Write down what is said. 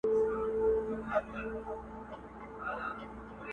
د صوفي په نظر هر څه اصلیت وو،